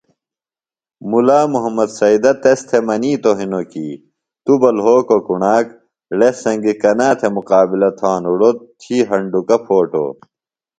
مُلا محمد سیدہ تس تھےۡ منِیتوۡ ہِنوۡ کی توۡ بہ لھوکو کݨاک ڑس سنگی کنا تھےۡ مقابلہ تھانوۡ ڑو تھی ہنڈوکہ پھوٹو